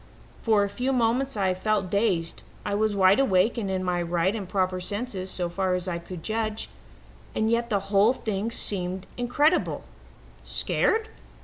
"For a few moments I felt dazed. I was wide awake and in my right and proper senses so far as I could judge, and yet the whole thing seemed incredible. Scared?